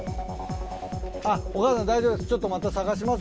あっお母さん大丈夫です